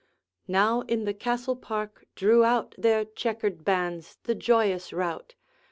Now, in the Castle park, drew out Their checkered bands the joyous rout.